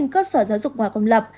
cơ sở giáo dục ngoài công lập